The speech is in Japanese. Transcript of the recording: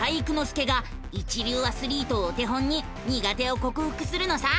介が一流アスリートをお手本に苦手をこくふくするのさ！